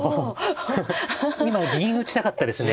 今銀打ちたかったですね。